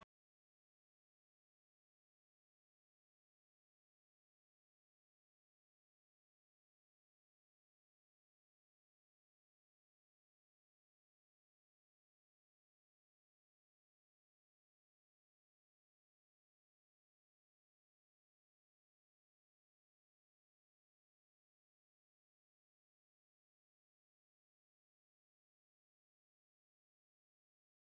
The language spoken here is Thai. ความสัมพันธ์ที่รู้และรู้ขึ้นความจัดการแรงมากขึ้นว่างเพศ